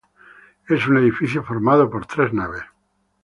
Es un edificio formado por tres naves.